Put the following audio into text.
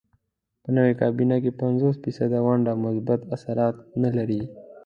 په نوې کابینې کې پنځوس فیصده ونډه مثبت اثرات نه لري.